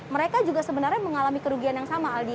mereka juga sebenarnya mengalami kerugian yang sama aldi